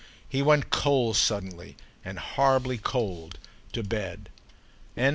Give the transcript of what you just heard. He went cold, suddenly and horribly cold, to bed.